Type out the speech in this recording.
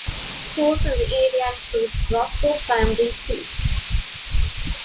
Schools in the area include Roscoe Primary School.